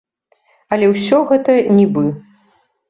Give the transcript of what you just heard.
Але ўсё гэта нібы.